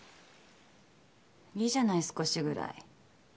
いいじゃない少しぐらい。